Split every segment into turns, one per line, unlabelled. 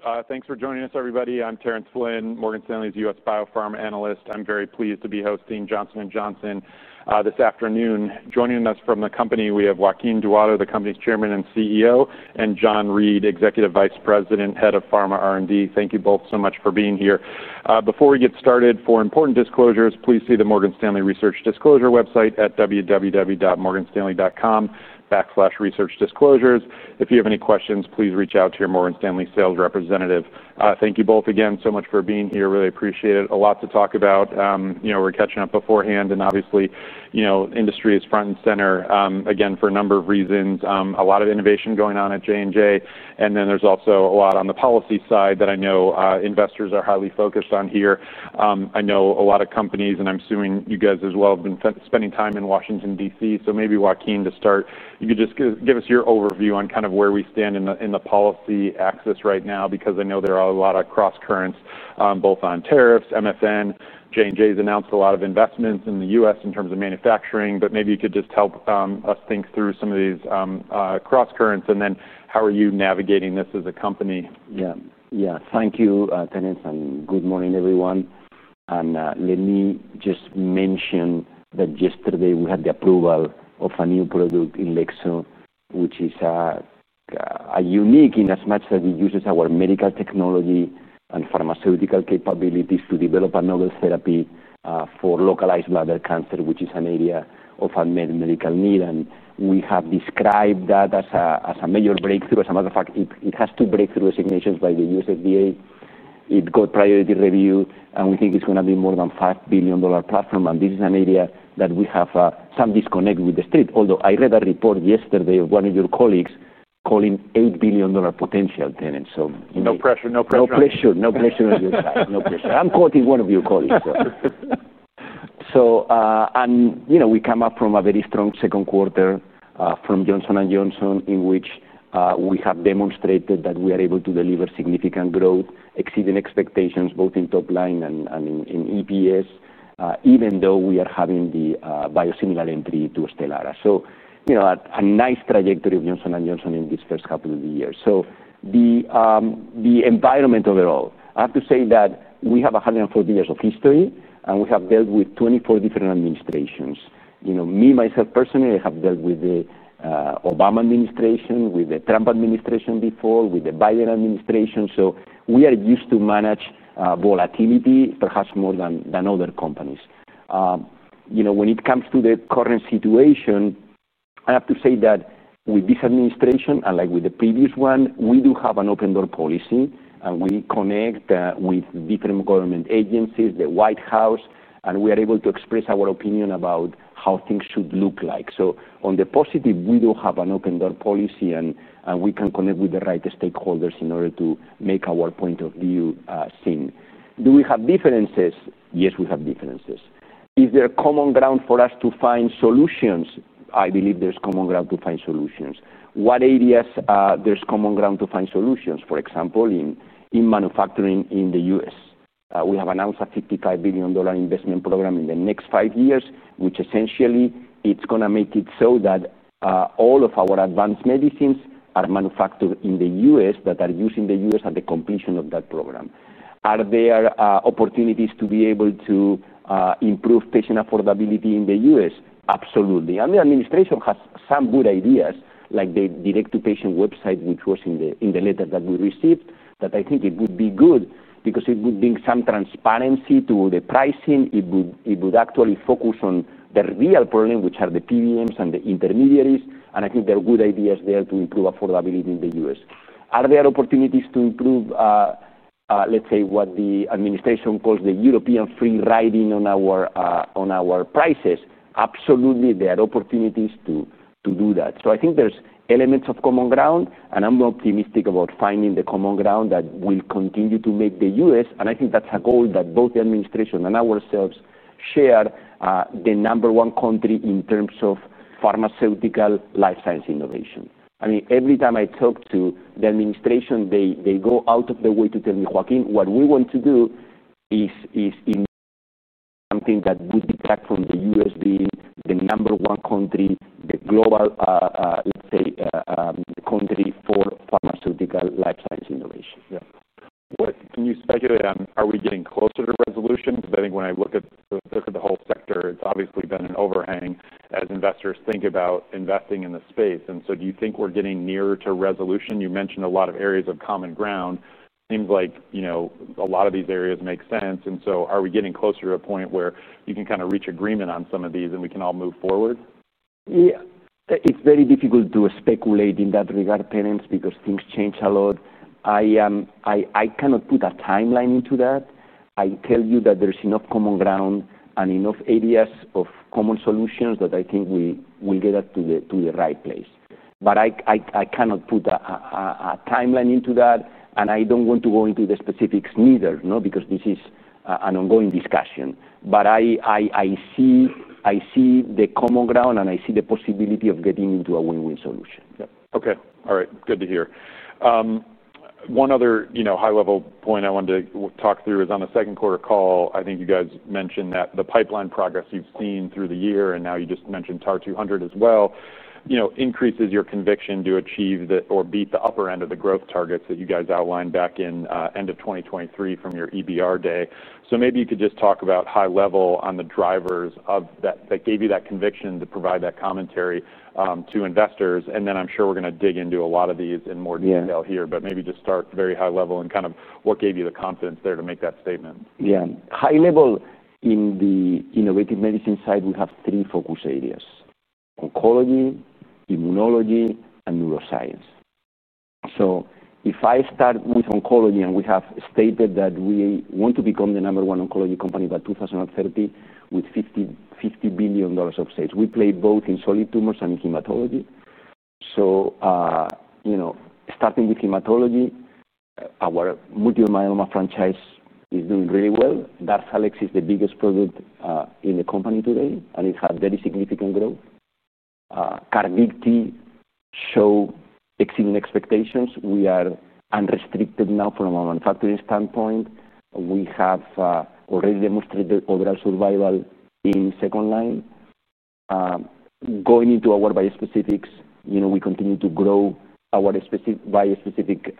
Great. Thanks for joining us, everybody. I'm Terence Flynn, Morgan Stanley's U.S. Biopharma Analyst. I'm very pleased to be hosting Johnson & Johnson this afternoon. Joining us from the company, we have Joaquin Duato, the company's Chairman and CEO, and John Reed, Executive Vice President, Head of Pharma R&D. Thank you both so much for being here. Before we get started, for important disclosures, please see the Morgan Stanley research disclosure website at www.morganstanley.com/researchdisclosures. If you have any questions, please reach out to your Morgan Stanley sales representative. Thank you both again so much for being here. Really appreciate it. A lot to talk about. We're catching up beforehand, and obviously, industry is front and center again for a number of reasons. A lot of innovation going on at J&J, and then there's also a lot on the policy side that I know investors are highly focused on here. I know a lot of companies, and I'm assuming you guys as well, have been spending time in Washington, D.C. Maybe, Joaquin, to start, you could just give us your overview on kind of where we stand in the policy axis right now because I know there are a lot of cross-currents, both on tariffs, MFN. J&J has announced a lot of investments in the U.S. in terms of manufacturing, but maybe you could just help us think through some of these cross-currents and then how are you navigating this as a company?
Yeah. Yeah. Thank you, Terence, and good morning, everyone. Let me just mention that yesterday we had the approval of a new product in INLEXZO, which is unique in as much as it uses our medical technology and pharmaceutical capabilities to develop a novel therapy for localized bladder cancer, which is an area of unmet medical need. We have described that as a major breakthrough. As a matter of fact, it has to break through the regulations by the U.S. FDA. It got priority review, and we think it's going to be more than a $5 billion platform. This is an area that we have some disconnect with the state. Although I read a report yesterday of one of your colleagues calling $8 billion potential, Terence.
No pressure. No pressure.
No pressure. No pressure on your side. No pressure. I'm quoting one of your colleagues, though. You know we come up from a very strong second quarter from Johnson & Johnson, in which we have demonstrated that we are able to deliver significant growth, exceeding expectations both in top line and in EPS, even though we are having the biosimilar entry to STELARA. A nice trajectory of Johnson & Johnson in these first half of the year. The environment overall, I have to say that we have 104 years of history, and we have dealt with 24 different administrations. Me, myself personally, I have dealt with the Obama administration, with the Trump administration before, with the Biden administration. We are used to manage volatility, perhaps more than other companies. When it comes to the current situation, I have to say that with this administration and like with the previous one, we do have an open-door policy, and we connect with different government agencies, the White House, and we are able to express our opinion about how things should look like. On the positive, we do have an open-door policy, and we can connect with the right stakeholders in order to make our point of view seen. Do we have differences? Yes, we have differences. Is there common ground for us to find solutions? I believe there's common ground to find solutions. What areas there's common ground to find solutions? For example, in manufacturing in the U.S. We have announced a $55 billion investment program in the next five years, which essentially, it's going to make it so that all of our advanced medicines are manufactured in the U.S. that are used in the U.S. at the completion of that program. Are there opportunities to be able to improve patient affordability in the U.S.? Absolutely. The administration has some good ideas, like the direct-to-patient website, which was in the letter that we received, that I think it would be good because it would bring some transparency to the pricing. It would actually focus on the real problem, which are the PBMs and the intermediaries. I think there are good ideas there to improve affordability in the U.S. Are there opportunities to improve, let's say, what the administration calls the European free riding on our prices? Absolutely, there are opportunities to do that. I think there's elements of common ground, and I'm optimistic about finding the common ground that will continue to make the U.S., and I think that's a goal that both the administration and ourselves share, the number one country in terms of pharmaceutical life science innovation. Every time I talk to the administration, they go out of their way to tell me, "Joaquin, what we want to do is something that would detract from the U.S. being the number one country, the global, let's say, country for pharmaceutical life science innovation.
Yeah. What can you speculate on? Are we getting closer to resolution? I think when I look at the whole sector, it's obviously been an overhang as investors think about investing in the space. Do you think we're getting nearer to resolution? You mentioned a lot of areas of common ground. It seems like you know a lot of these areas make sense. Are we getting closer to a point where you can kind of reach agreement on some of these and we can all move forward?
Yeah. It's very difficult to speculate in that regard, Terence, because things change a lot. I cannot put a timeline into that. I tell you that there's enough common ground and enough areas of common solutions that I think we will get to the right place. I cannot put a timeline into that, and I don't want to go into the specifics, no, because this is an ongoing discussion. I see the common ground, and I see the possibility of getting into a win-win solution.
Okay. All right. Good to hear. One other high-level point I wanted to talk through is on a second-quarter call, I think you guys mentioned that the pipeline progress you've seen through the year, and now you just mentioned TAR-200 as well, increases your conviction to achieve or beat the upper end of the growth targets that you guys outlined back in the end of 2023 from your EBR day. Maybe you could just talk about high-level on the drivers that gave you that conviction to provide that commentary to investors. I'm sure we're going to dig into a lot of these in more detail here, but maybe just start very high-level and kind of what gave you the confidence there to make that statement.
Yeah. High-level in the Innovative Medicine side, we have three focus areas: oncology, immunology, and neuroscience. If I start with oncology, we have stated that we want to become the number one oncology company by 2030 with $50 billion of sales. We play both in solid tumors and in hematology. Starting with hematology, our multiple myeloma franchise is doing really well. DARZALEX is the biggest product in the company today, and it's had very significant growth. CARVYKTI showed exceeding expectations. We are unrestricted now from a manufacturing standpoint. We have already demonstrated overall survival in second line. Going into our bispecifics, we continue to grow our bispecific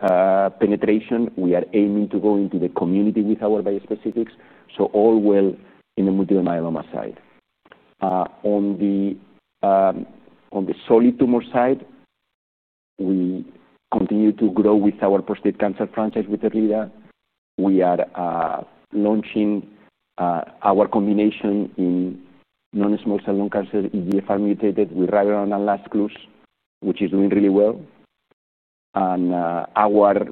penetration. We are aiming to go into the community with our bispecifics. All well in the multiple myeloma side. On the solid tumor side, we continue to grow with our prostate cancer franchise with ERLEADA. We are launching our combination in non-small cell lung cancer EGFR-mutated with RYBREVANT and LAZCLUZE, which is doing really well. Our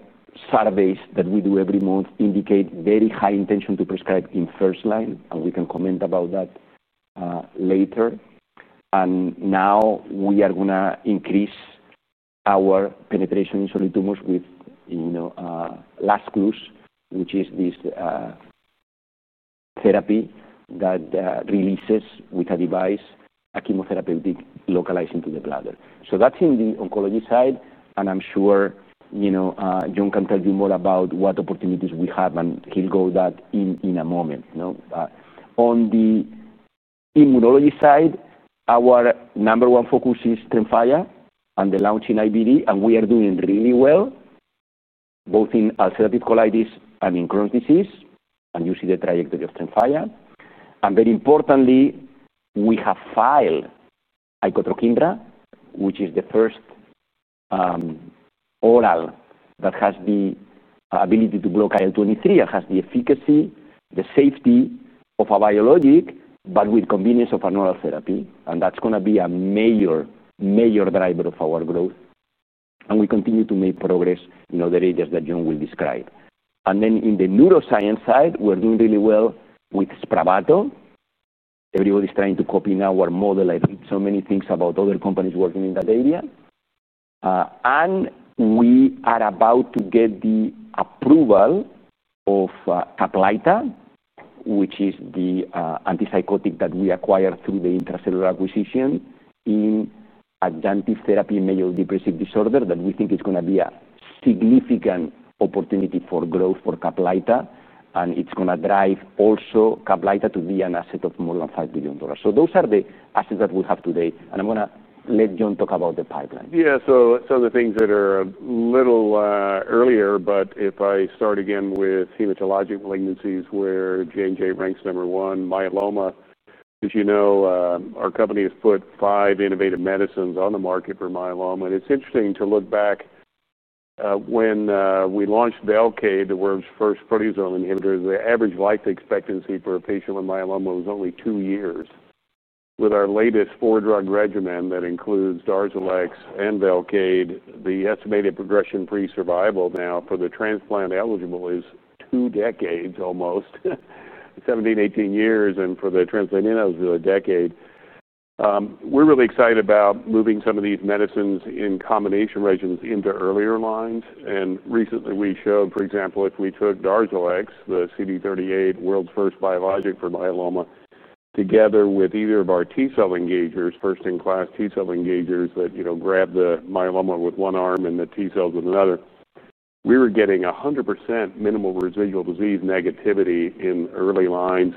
surveys that we do every month indicate very high intention to prescribe in first line, and we can comment about that later. We are going to increase our penetration in solid tumors with LAZCLUZE, which is this therapy that releases with a device a chemotherapeutic localized into the bladder. That's in the oncology side, and I'm sure John can tell you more about what opportunities we have, and he'll go into that in a moment. On the immunology side, our number one focus is TREMFYA and the launch in IBD, and we are doing really well both in ulcerative colitis and in Crohn's disease and using the trajectory of TREMFYA. Very importantly, we have filed icotrokinra, which is the first oral that has the ability to block IL-23 and has the efficacy, the safety of a biologic, but with convenience of an oral therapy. That's going to be a major, major driver of our growth. We continue to make progress in other areas that John will describe. In the neuroscience side, we're doing really well with SPRAVATO. Everybody's trying to copy now our model. I read so many things about other companies working in that area. We are about to get the approval of CAPLYTA, which is the antipsychotic that we acquired through the Intra-Cellular acquisition in adjunctive therapy in major depressive disorder that we think is going to be a significant opportunity for growth for CAPLYTA, and it's going to drive also CAPLYTA to be an asset of more than $5 billion. Those are the assets that we have today. I'm going to let John talk about the pipeline.
Yeah. Some of the things that are a little earlier, but if I start again with hematologic malignancies where J&J ranks number one, myeloma, as you know, our company has put five innovative medicines on the market for myeloma. It's interesting to look back when we launched VELCADE, the world's first proteasome inhibitor, the average life expectancy for a patient with myeloma was only two years. With our latest four-drug regimen that includes DARZALEX and VELCADE, the estimated progression-free survival now for the transplant eligible is almost two decades, 17, 18 years, and for the transplant ineligible a decade. We're really excited about moving some of these medicines in combination regimens into earlier lines. Recently, we showed, for example, if we took DARZALEX, the CD38, world's first biologic for myeloma, together with either of our T cell engagers, first-in-class T cell engagers that grab the myeloma with one arm and the T cells with another, we were getting 100% minimal residual disease negativity in early lines.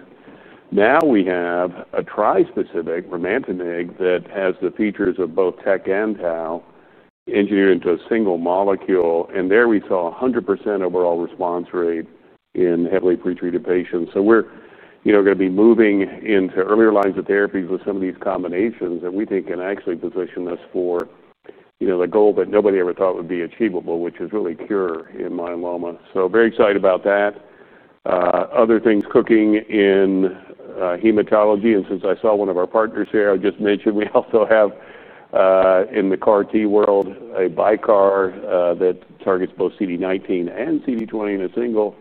Now we have a tri-specific [Romantig], that has the features of both TEC and TAO engineered into a single molecule. There we saw a 100% overall response rate in heavily pretreated patients. We're going to be moving into earlier lines of therapies with some of these combinations that we think can actually position us for the goal that nobody ever thought would be achievable, which is really cure in myeloma. Very excited about that. Other things cooking in hematology. Since I saw one of our partners here, I'll just mention we also have, in the CAR-T world, a biCAR that targets both CD19 and CD20 in a single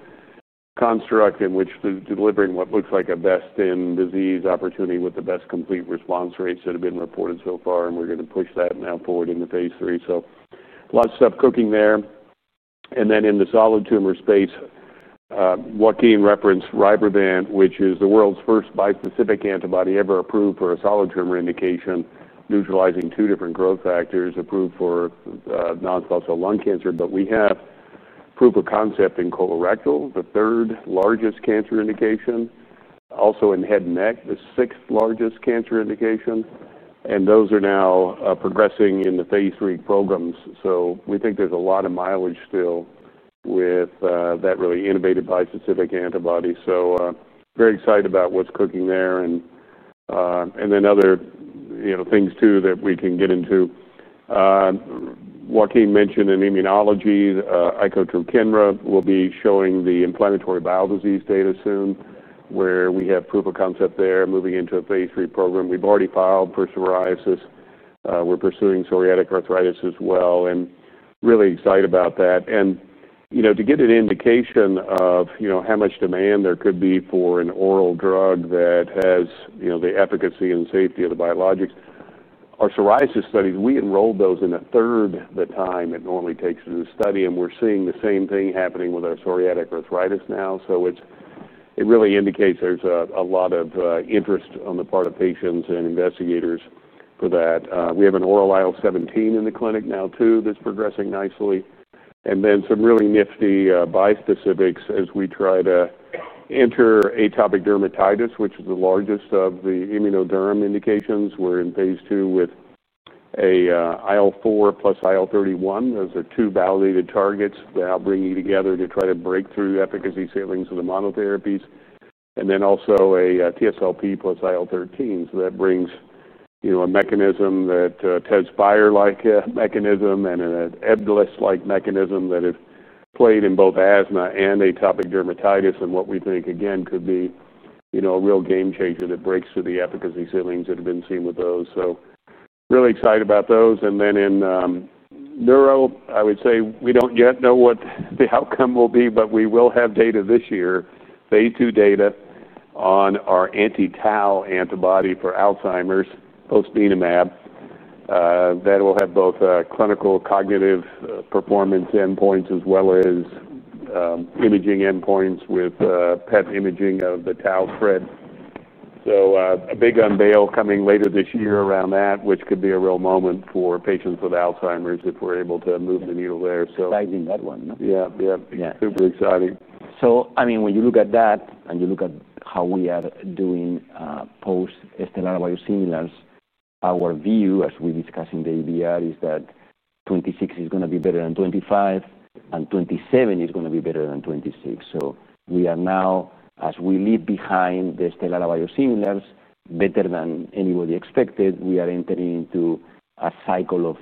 construct in which they're delivering what looks like a best-in-disease opportunity with the best complete response rates that have been reported so far. We're going to push that and now pull it into phase III. Lots of stuff cooking there. In the solid tumor space, Joaquin referenced RYBREVANT, which is the world's first bispecific antibody ever approved for a solid tumor indication, neutralizing two different growth factors approved for non-small cell lung cancer. We have proof of concept in colorectal, the third largest cancer indication, also in head and neck, the sixth largest cancer indication. Those are now progressing into phase III programs. We think there's a lot of mileage still with that really innovative bispecific antibody. Very excited about what's cooking there. Other things too that we can get into. Joaquin mentioned in immunology, icotrokinra will be showing the inflammatory bowel disease data soon where we have proof of concept there moving into a phase III program. We've already filed for psoriasis. We're pursuing psoriatic arthritis as well and really excited about that. To get an indication of how much demand there could be for an oral drug that has the efficacy and safety of the biologics, our psoriasis studies, we enrolled those in a third of the time it normally takes to do the study. We're seeing the same thing happening with our psoriatic arthritis now. It really indicates there's a lot of interest on the part of patients and investigators for that. We have an oral IL-17 in the clinic now too that's progressing nicely. Some really nifty bispecifics as we try to enter atopic dermatitis, which is the largest of the immunoderm indications. We're in phase II with an IL-4 plus IL-31. Those are two validated targets that I'll bring you together to try to break through efficacy ceilings of the monotherapies. Also a TSLP plus IL-13. That brings a mechanism that [TSLP]-like mechanism and an [EBDLIS]-like mechanism that have played in both asthma and atopic dermatitis and what we think, again, could be a real game changer that breaks through the efficacy ceilings that have been seen with those. Really excited about those. In neuro, I would say we don't yet know what the outcome will be, but we will have data this year, phase II data on our anti-tau antibody for Alzheimer's, posdinemab, that will have both clinical cognitive performance endpoints as well as imaging endpoints with PET imaging of the tau thread. A big unveil coming later this year around that, which could be a real moment for patients with Alzheimer's if we're able to move the needle there.
Exciting, that one.
Yeah, yeah. Super exciting.
When you look at that and you look at how we are doing post-STELARA biosimilars, our view, as we discussed in the EBR, is that 2026 is going to be better than 2025, and 2027 is going to be better than 2026. We are now, as we leave behind the STELARA biosimilars, better than anybody expected. We are entering into a cycle of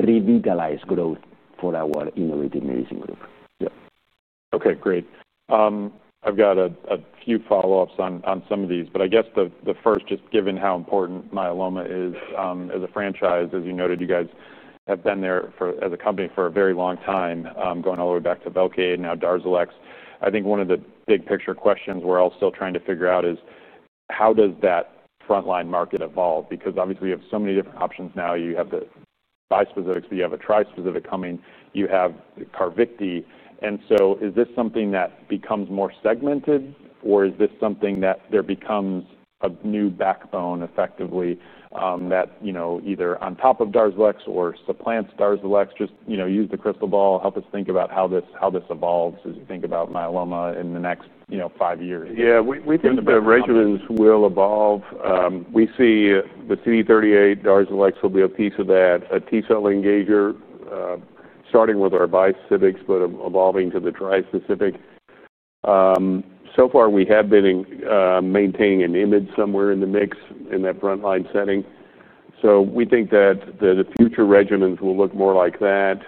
revitalized growth for our innovative medicine group.
Yeah. Okay. Great. I've got a few follow-ups on some of these. I guess the first, just given how important myeloma is as a franchise, as you noted, you guys have been there as a company for a very long time, going all the way back to VELCADE, now DARZALEX. I think one of the big-picture questions we're all still trying to figure out is how does that frontline market evolve? Because obviously, you have so many different options now. You have the bispecifics, but you have a tri-specific coming. You have the CARVYKTI. Is this something that becomes more segmented, or is this something that there becomes a new backbone effectively that, you know, either on top of DARZALEX or supplants DARZALEX? Just, you know, use the crystal ball. Help us think about how this evolves as you think about myeloma in the next, you know, five years.
Yeah. We think the regimens will evolve. We see the CD38, DARZALEX will be a piece of that, a T cell engager, starting with our bispecific but evolving to the tri-specific. We have been maintaining an image somewhere in the mix in that frontline setting. We think that the future regimens will look more like that.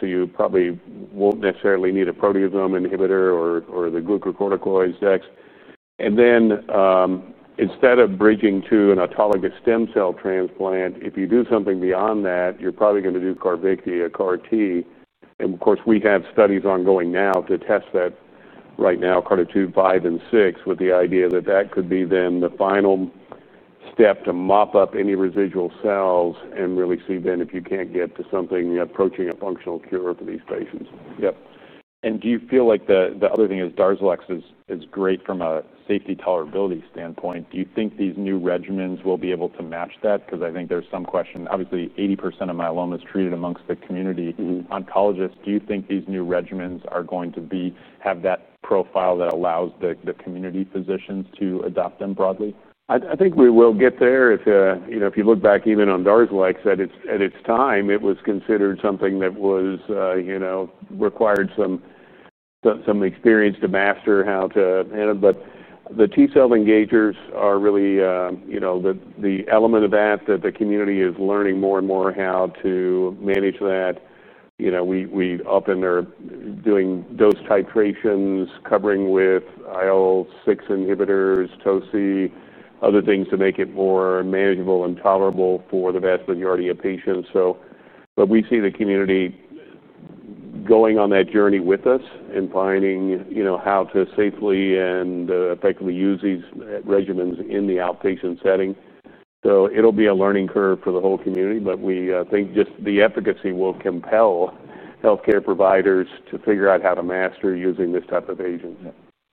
You probably won't necessarily need a proteasome inhibitor or the glucocorticoids. Instead of bridging to an autologous stem cell transplant, if you do something beyond that, you're probably going to do CARVYKTI, a CAR-T. Of course, we have studies ongoing now to test that right now, CARTITUDE-5 and 6, with the idea that that could be then the final step to mop up any residual cells and really see then if you can't get to something approaching a functional cure for these patients.
Yes. Do you feel like the other thing is DARZALEX is great from a safety tolerability standpoint. Do you think these new regimens will be able to match that? I think there's some question. Obviously, 80% of myeloma is treated amongst the community oncologists. Do you think these new regimens are going to have that profile that allows the community physicians to adopt them broadly?
I think we will get there. If you look back even on DARZALEX at its time, it was considered something that was, you know, required some experience to master how to manage. The T cell engagers are really the element of that that the community is learning more and more how to manage. We often are doing dose titrations, covering with IL-6 inhibitors, TOC, other things to make it more manageable and tolerable for the vast majority of patients. We see the community going on that journey with us and finding how to safely and effectively use these regimens in the outpatient setting. It will be a learning curve for the whole community. We think just the efficacy will compel healthcare providers to figure out how to master using this type of agent.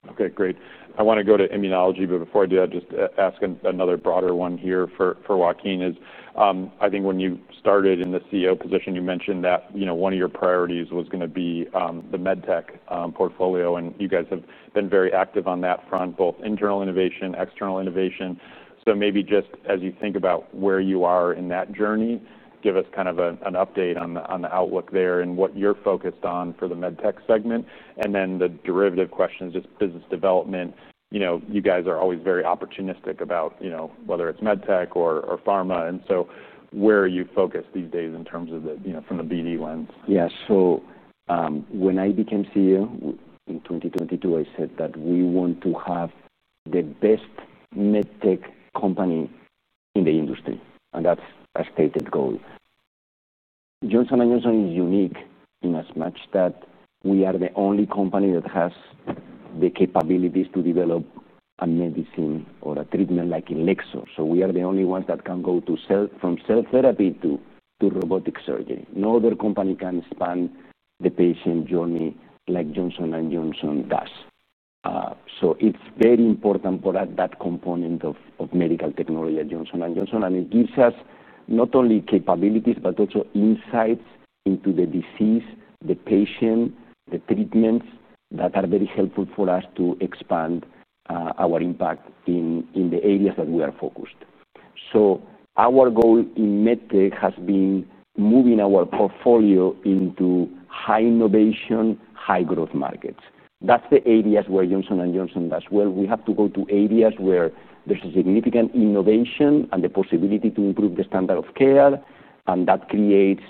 Okay. Great. I want to go to immunology, but before I do, I'll just ask another broader one here for Joaquin. I think when you started in the CEO position, you mentioned that one of your priorities was going to be the MedTech portfolio. You guys have been very active on that front, both internal innovation and external innovation. Maybe just as you think about where you are in that journey, give us kind of an update on the outlook there and what you're focused on for the MedTech segment. The derivative question is just business development. You guys are always very opportunistic about whether it's MedTech or pharma. Where are you focused these days in terms of the, you know, from the BD lens?
Yeah. When I became CEO in 2022, I said that we want to have the best medtech company in the industry. That's a stated goal. Johnson is unique in as much that we are the only company that has the capabilities to develop a medicine or a treatment like in INLEXZO. We are the only ones that can go from cell therapy to robotic surgery. No other company can span the patient journey like Johnson & Johnson does. It is very important for that component of medical technology at Johnson & Johnson. It gives us not only capabilities, but also insights into the disease, the patient, the treatments that are very helpful for us to expand our impact in the areas that we are focused. Our goal in medtech has been moving our portfolio into high innovation, high growth markets. Those are the areas where Johnson & Johnson does well. We have to go to areas where there's significant innovation and the possibility to improve the standard of care, and that creates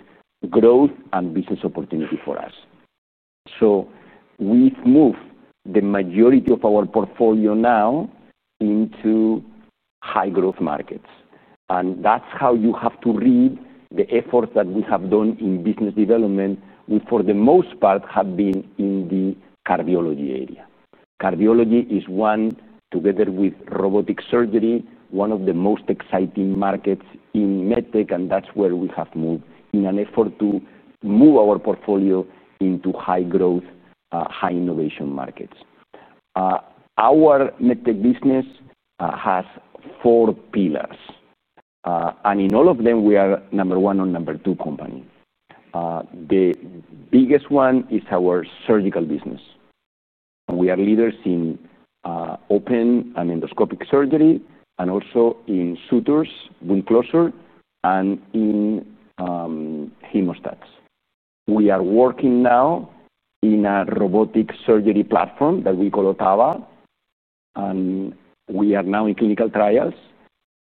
growth and business opportunity for us. We have moved the majority of our portfolio now into high growth markets. That is how you have to read the efforts that we have done in business development, which for the most part have been in the cardiology area. Cardiology is one, together with robotic surgery, one of the most exciting markets in medtech, and that is where we have moved in an effort to move our portfolio into high growth, high innovation markets. Our MedTech business has four pillars. In all of them, we are number one and number two company. The biggest one is our surgical business. We are leaders in open and endoscopic surgery and also in sutures, wound closure, and in hemostats. We are working now in a robotic surgery platform that we call OTTAVA. We are now in clinical trials,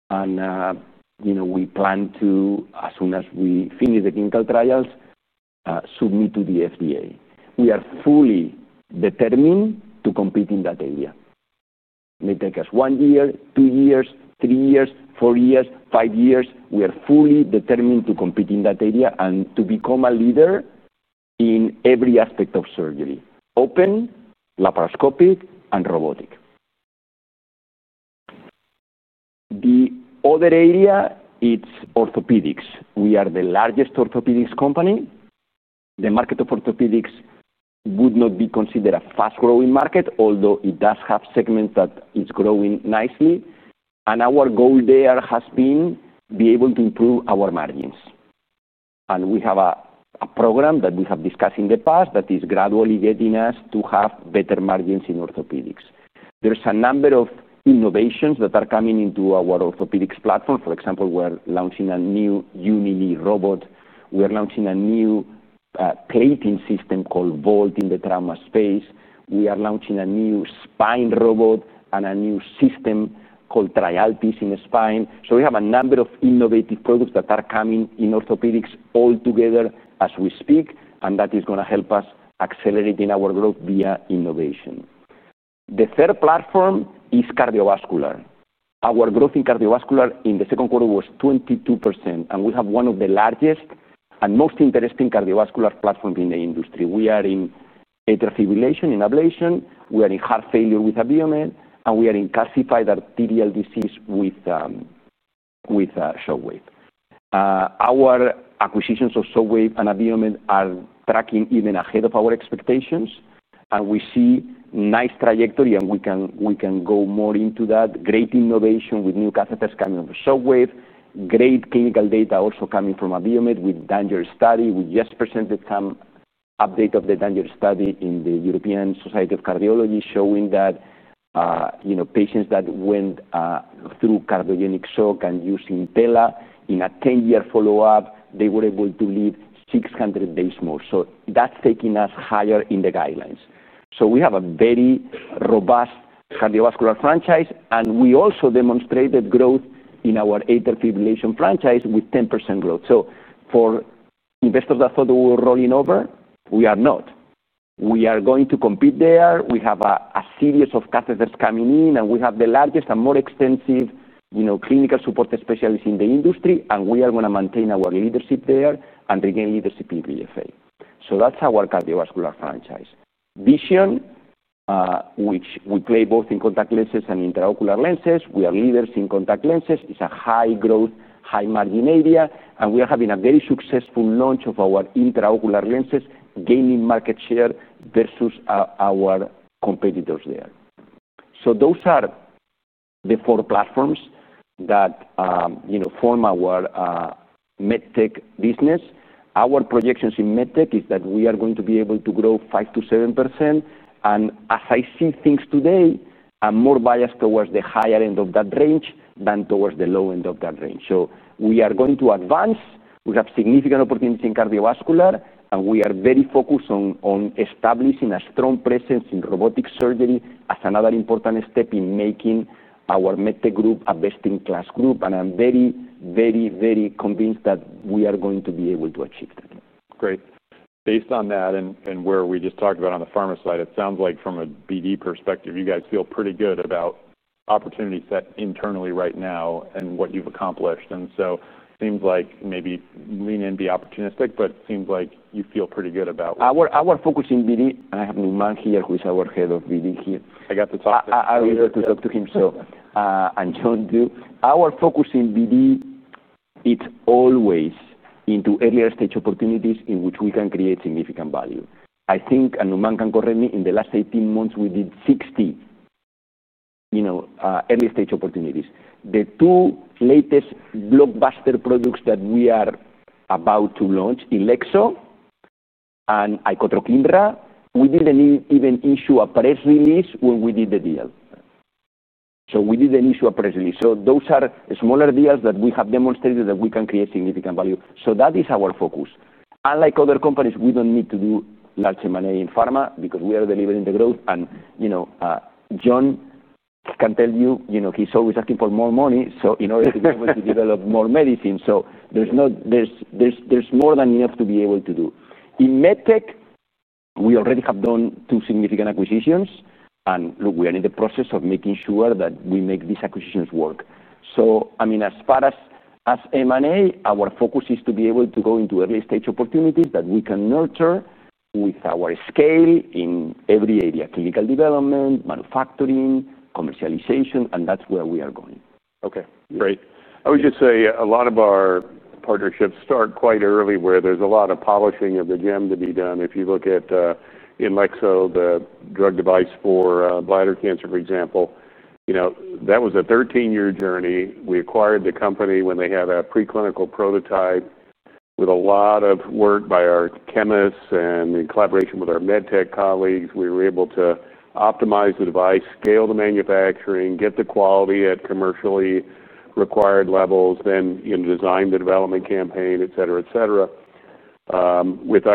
and we plan to, as soon as we finish the clinical trials, submit to the FDA. We are fully determined to compete in that area. MedTech has one year, two years, three years, four years, five years. We are fully determined to compete in that area and to become a leader in every aspect of surgery: open, laparoscopic, and robotic. The other area is orthopedics. We are the largest orthopedics company. The market of orthopedics would not be considered a fast-growing market, although it does have segments that are growing nicely. Our goal there has been to be able to improve our margins. We have a program that we have discussed in the past that is gradually getting us to have better margins in orthopedics. There are a number of innovations that are coming into our orthopedics platform. For example, we're launching a new uni-knee robot. We are launching a new plating system called VOLT in the trauma space. We are launching a new spine robot and a new system called TriALTIS in the spine. We have a number of innovative products that are coming in orthopedics altogether as we speak, and that is going to help us accelerate in our growth via innovation. The third platform is cardiovascular. Our growth in cardiovascular in the second quarter was 22%. We have one of the largest and most interesting cardiovascular platforms in the industry. We are in atrial fibrillation and ablation. We are in heart failure with Abiomed, and we are in calcified arterial disease with Shockwave. Our acquisitions of Shockwave and Abiomed are tracking even ahead of our expectations. We see a nice trajectory, and we can go more into that. Great innovation with new catheters coming off the Shockwave. Great clinical data also coming from Abiomed with DanGer Study. We just presented some updates of the DanGer Study in the European Society of Cardiology showing that patients that went through cardiogenic shock and using Impella in a 10-year follow-up, they were able to live 600 days more. That is taking us higher in the guidelines. We have a very robust cardiovascular franchise, and we also demonstrated growth in our atrial fibrillation franchise with 10% growth. For investors that thought that we were rolling over, we are not. We are going to compete there. We have a series of catheters coming in, and we have the largest and most extensive clinical support specialists in the industry, and we are going to maintain our leadership there and regain leadership in PFA. That is our cardiovascular franchise. Vision, which we play both in contact lenses and intraocular lenses. We are leaders in contact lenses. It's a high growth, high margin area, and we are having a very successful launch of our intraocular lenses, gaining market share versus our competitors there. Those are the four platforms that form our MedTech business. Our projections in MedTech is that we are going to be able to grow 5%-7%. As I see things today, I'm more biased towards the higher end of that range than towards the low end of that range. We are going to advance. We have significant opportunities in cardiovascular, and we are very focused on establishing a strong presence in robotic surgery as another important step in making our MedTech group a best-in-class group. I'm very, very, very convinced that we are going to be able to achieve that.
Great. Based on that and where we just talked about on the pharma side, it sounds like from a BD perspective, you guys feel pretty good about opportunities set internally right now and what you've accomplished. It seems like maybe lean and be opportunistic, but it seems like you feel pretty good about.
Our focus in BD, and I have Nauman here, who is our Head of BD here.
I got to talk to him.
I'll have to talk to him, too. And John, too. Our focus in BD, it's always into earlier stage opportunities in which we can create significant value. I think, and Nauman can correct me, in the last 18 months, we did 60, you know, early stage opportunities. The two latest blockbuster products that we are about to launch, INLEXZO icotrokinra, we didn't even issue a press release when we did the deal. We didn't issue a press release. Those are smaller deals that we have demonstrated that we can create significant value. That is our focus. Unlike other companies, we don't need to do large M&A in pharma because we are delivering the growth. John can tell you, you know, he's always asking for more money in order to be able to develop more medicines, so there's more than enough to be able to do. In MedTech, we already have done two significant acquisitions, and we are in the process of making sure that we make these acquisitions work. As far as M&A, our focus is to be able to go into early stage opportunity that we can nurture with our scale in every area: clinical development, manufacturing, commercialization, and that's where we are going.
Okay. Great.
I would just say a lot of our partnerships start quite early where there's a lot of polishing of the gem to be done. If you look at, in INLEXZO, the drug device for bladder cancer, for example, that was a 13-year journey. We acquired the company when they had a preclinical prototype with a lot of work by our chemists and in collaboration with our MedTech colleagues. We were able to optimize the device, scale the manufacturing, get the quality at commercially required levels, then design the development campaign, etc., etc.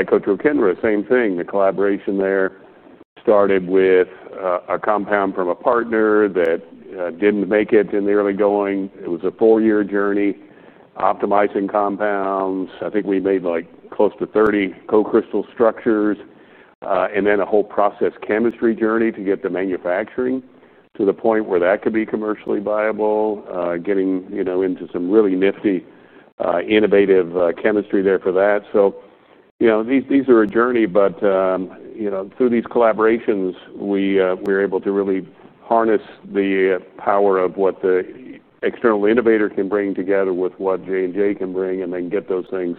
icotrokinra, same thing. The collaboration there started with a compound from a partner that didn't make it in the early going. It was a four-year journey, optimizing compounds. I think we made like close to 30 co-crystal structures, and then a whole process chemistry journey to get the manufacturing to the point where that could be commercially viable, getting into some really nifty, innovative chemistry there for that. These are a journey, but through these collaborations, we were able to really harness the power of what the external innovator can bring together with what J&J can bring and then get those things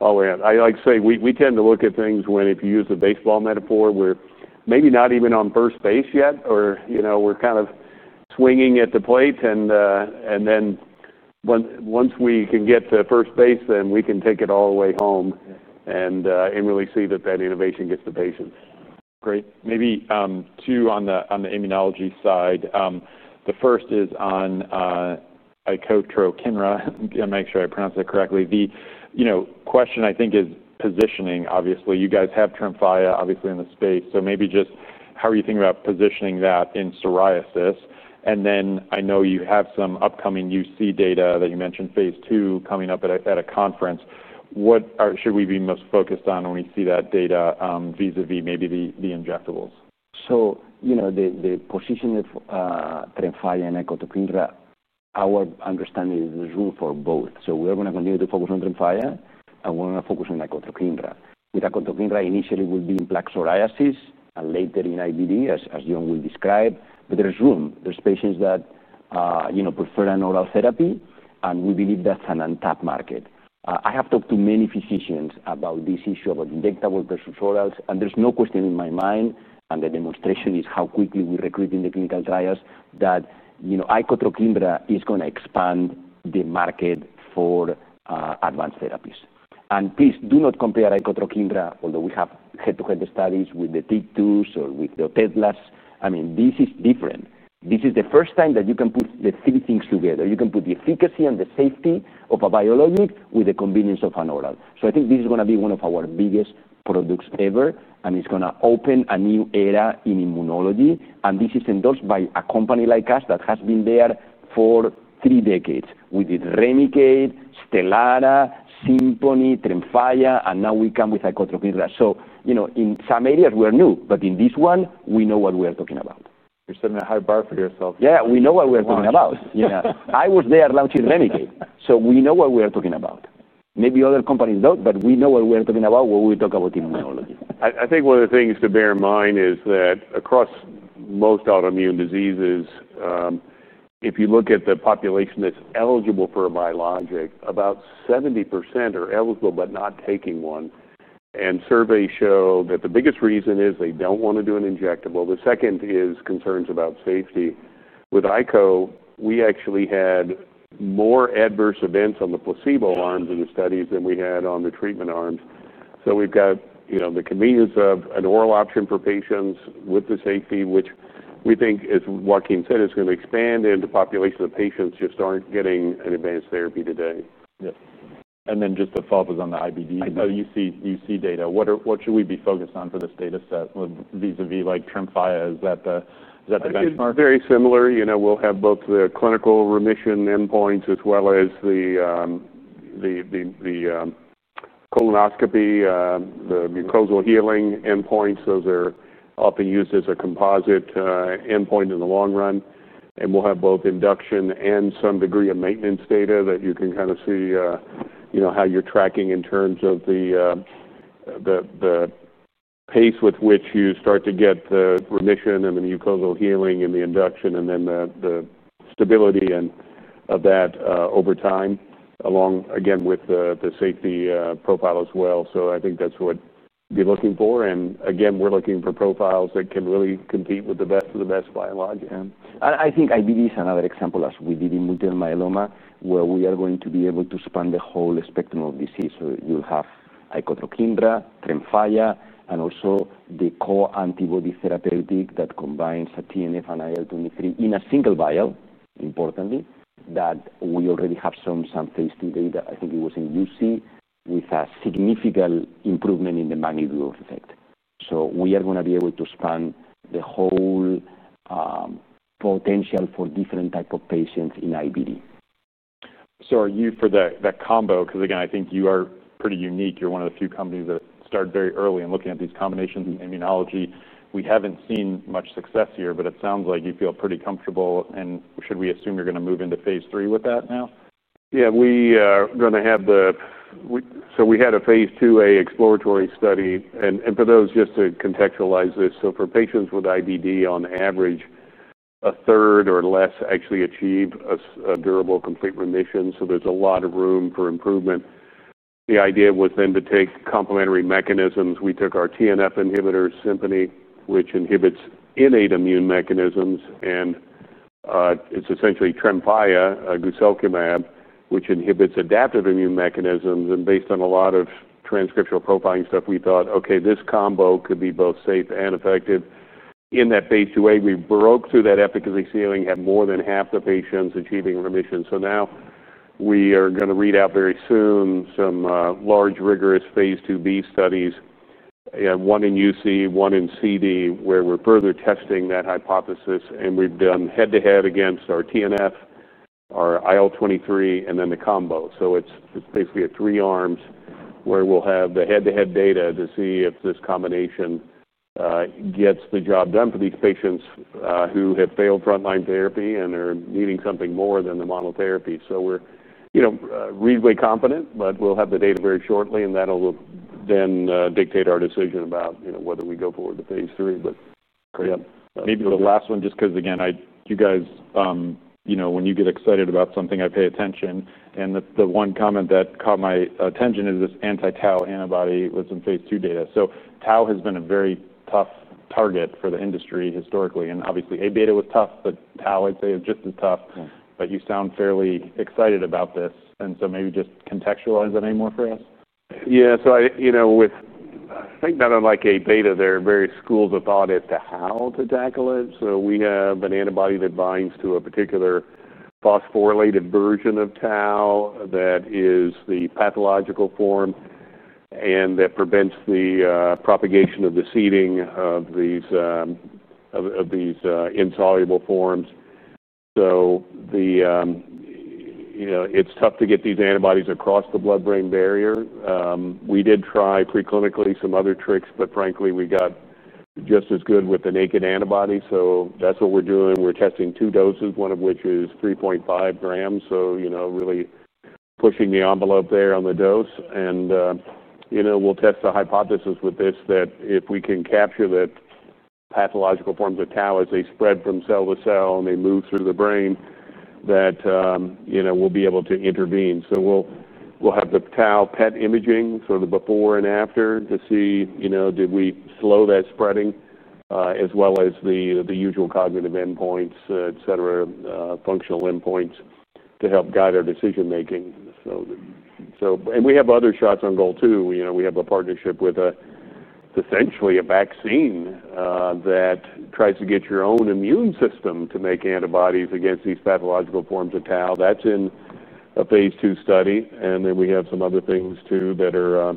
all the way out. I like to say we tend to look at things when, if you use the baseball metaphor, we're maybe not even on first base yet, or we're kind of swinging at the plate. Once we can get to first base, then we can take it all the way home and really see that that innovation gets to patients.
Great. Maybe two on the immunology side. The first is on icotrokinra. I'm going to make sure I pronounce that correctly. The question I think is positioning. Obviously, you guys have TREMFYA, obviously, in the space. Maybe just how are you thinking about positioning that in psoriasis? I know you have some upcoming UC data that you mentioned, phase II coming up at a conference. What should we be most focused on when we see that data vis-à-vis maybe the injectables?
The position of TREMFYA and icotrokinra, our understanding is there's room for both. We are going to continue to focus on TREMFYA. I want to focus on icotrokinra. If icotrokinra initially would be in plaque psoriasis and later in IBD, as John will describe, there's room. There are patients that prefer an oral therapy, and we believe that's an untapped market. I have talked to many physicians about this issue of injectables versus orals, and there's no question in my mind, and the demonstration is how quickly we recruit in the clinical trials, that icotrokinra is going to expand the market for advanced therapies. Please do not compare icotrokinra, although we have head-to-head studies with the [T2s], with the [Tedlas]. This is different. This is the first time that you can put the three things together. You can put the efficacy and the safety of a biologic with the convenience of an oral. I think this is going to be one of our biggest products ever, and it's going to open a new era in immunology. This is endorsed by a company like us that has been there for three decades. We did REMICADE, STELARA, SIMPONI, TREMFYA, and now we come with icotrokinra. In some areas, we're new, but in this one, we know what we're talking about.
You're setting a high bar for yourself.
Yeah. We know what we're talking about. I was there launching REMICADE, so we know what we're talking about. Maybe other companies don't, but we know what we're talking about when we talk about immunology.
I think one of the things to bear in mind is that across most autoimmune diseases, if you look at the population that's eligible for a biologic, about 70% are eligible but not taking one. Surveys show that the biggest reason is they don't want to do an injectable. The second is concerns about safety. With ico, we actually had more adverse events on the placebo arms in the studies than we had on the treatment arms. We've got the convenience of an oral option for patients with the safety, which we think, as Joaquin said, is going to expand into populations of patients who just aren't getting an advanced therapy today.
To follow up on the IBD, you see data. What should we be focused on for this data set vis-à-vis like TREMFYA? Is that the benchmark?
Very similar. You know, we'll have both the clinical remission endpoints as well as the colonoscopy, the mucosal healing endpoints. Those are often used as a composite endpoint in the long run. We'll have both induction and some degree of maintenance data that you can kind of see, you know, how you're tracking in terms of the pace with which you start to get the remission and the mucosal healing and the induction and then the stability of that over time, along again with the safety profile as well. I think that's what you're looking for. We're looking for profiles that can really compete with the best of the best biologic.
I think IBD is another example, as we did in multiple myeloma, where we are going to be able to span the whole spectrum of disease. You'll icotrokinra, TREMFYA, and also the core antibody therapeutic that combines a TNF and IL-23 in a single vial, importantly, that we already have some testing data. I think it was in UC with a significant improvement in the magnitude of effect. We are going to be able to span the whole potential for different types of patients in IBD.
Are you for the combo? I think you are pretty unique. You're one of the few companies that started very early in looking at these combinations in immunology. We haven't seen much success here, but it sounds like you feel pretty comfortable. Should we assume you're going to move into phase III with that now?
Yeah. We are going to have the, so we had a phase II exploratory study. For those, just to contextualize this, for patients with IBD, on average, a third or less actually achieve a durable complete remission. There is a lot of room for improvement. The idea was then to take complementary mechanisms. We took our TNF inhibitor, SIMPONI, which inhibits innate immune mechanisms, and it's essentially TREMFYA, a guselkumab, which inhibits adaptive immune mechanisms. Based on a lot of transcriptional profiling, we thought, okay, this combo could be both safe and effective. In that phase II wave, we broke through that efficacy ceiling, had more than half the patients achieving remission. We are going to read out very soon some large rigorous phase II-B studies, one in UC, one in CD, where we're further testing that hypothesis. We've done head-to-head against our TNF, our IL-23, and then the combo. It's basically three arms where we'll have the head-to-head data to see if this combination gets the job done for these patients who have failed frontline therapy and are needing something more than the monotherapy. We're reasonably confident, but we'll have the data very shortly, and that'll then dictate our decision about whether we go forward to phase III.
Great. Maybe the last one, just because again, you guys, you know, when you get excited about something, I pay attention. The one comment that caught my attention is this anti-tau antibody that's in phase II data. Tau has been a very tough target for the industry historically. Obviously, A-beta was tough, but tau, I'd say, is just as tough. You sound fairly excited about this. Maybe just contextualize that name more for us.
Yeah. I think that unlike A-beta, there are various schools of thought as to how to tackle it. We have an antibody that binds to a particular phosphorylated version of tau that is the pathological form and that prevents the propagation of the seeding of these insoluble forms. It's tough to get these antibodies across the blood-brain barrier. We did try preclinically some other tricks, but frankly, we got just as good with the naked antibody. That's what we're doing. We're testing two doses, one of which is 3.5 g, really pushing the envelope there on the dose. We'll test the hypothesis with this that if we can capture that pathological form of tau as they spread from cell to cell and they move through the brain, we'll be able to intervene. We'll have the tau PET imaging, sort of the before and after, to see if we slowed that spreading as well as the usual cognitive endpoints, functional endpoints to help guide our decision-making. We have other shots on goal too. We have a partnership with essentially a vaccine that tries to get your own immune system to make antibodies against these pathological forms of tau. That's in a phase II study. We have some other things too that are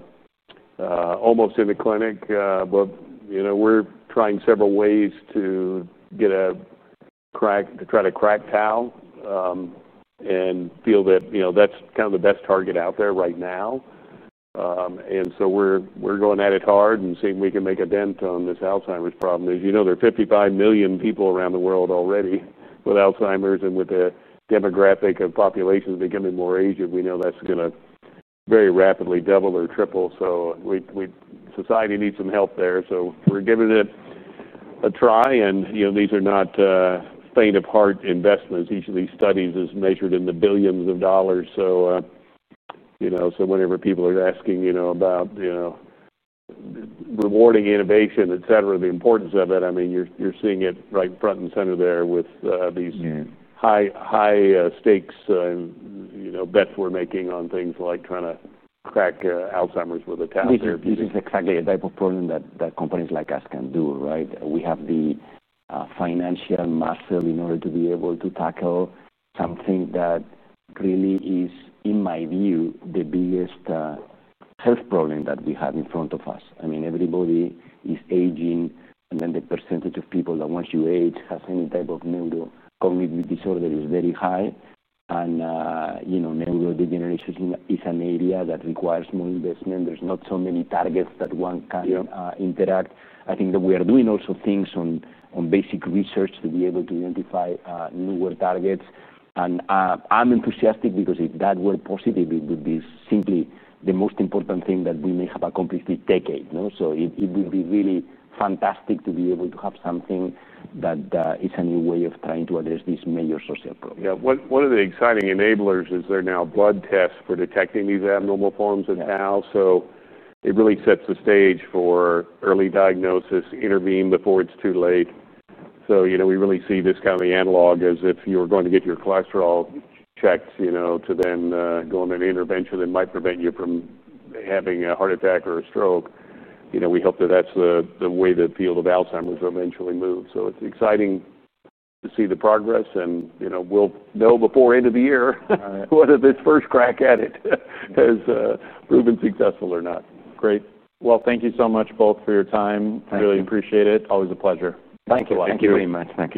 almost in the clinic. We're trying several ways to try to crack tau and feel that that's kind of the best target out there right now. We're going at it hard and seeing if we can make a dent on this Alzheimer's problem. As you know, there are 55 million people around the world already with Alzheimer's and with the demographic of populations becoming more aged. We know that's going to very rapidly double or triple. Society needs some help there. We're giving it a try. These are not faint-of-heart investments. Each of these studies is measured in the billions of dollars. Whenever people are asking about rewarding innovation, the importance of it, you're seeing it right front and center there with these high, high stakes and bets we're making on things like trying to crack Alzheimer's with the tau therapy.
This is exactly a type of problem that companies like us can do, right? We have the financial muscle in order to be able to tackle something that really is, in my view, the biggest health problem that we have in front of us. I mean, everybody is aging, and then the percentage of people that once you age have any type of neurocognitive disorder is very high. Neurodegeneration is an area that requires more investment. There's not so many targets that one can interact. I think that we are doing also things on basic research to be able to identify newer targets. I'm enthusiastic because if that were positive, it would be simply the most important thing that we may have accomplished this decade. It would be really fantastic to be able to have something that is a new way of trying to address these major social problems.
Yeah. One of the exciting enablers is there are now blood tests for detecting these abnormal forms of tau. It really sets the stage for early diagnosis, intervene before it's too late. You know, we really see this kind of the analog as if you were going to get your cholesterol checked, you know, to then go on an intervention that might prevent you from having a heart attack or a stroke. We hope that that's the way the field of Alzheimer's will eventually move. It's exciting to see the progress. You know, we'll know before end of the year whether this first crack at it has proven successful or not.
Great. Thank you so much, both, for your time. Really appreciate it. Always a pleasure.
Thank you. Thank you very much.